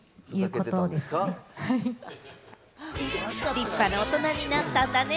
立派な大人になったんだね。